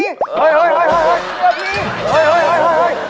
ให้พี่